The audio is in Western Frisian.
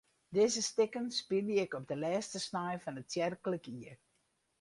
Dizze stikken spylje ik op de lêste snein fan it tsjerklik jier.